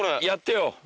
やってよ。